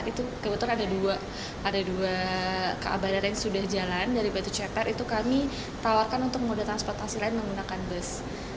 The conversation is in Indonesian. itu kebetulan ada dua kabadar yang sudah jalan dari batu ceper itu kami tawarkan untuk moda transportasi lain menggunakan bus